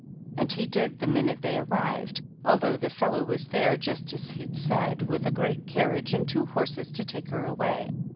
And he did the minute they arrived — ^although the fellow was there just as he'd said, with a great carriage and two horses, to take her away.